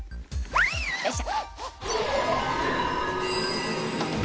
よいしょ。